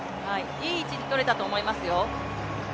いい位置にとれたと思いますよ。